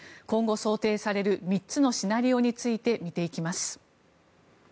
今後、想定される３つのシナリオについて見ていきます。